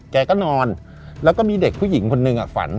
แกก็นอนแล้วก็มีเด็กผู้หญิงคนหนึ่งฝัน